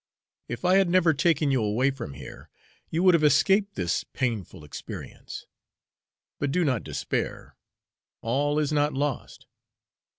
If I had never taken you away from here, you would have escaped this painful experience. But do not despair; all is not lost.